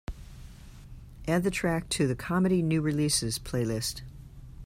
Add the track to the comedy new releases playlist.